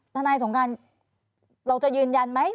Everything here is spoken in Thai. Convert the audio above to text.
ทนายสงการเราจะยืนยันไหม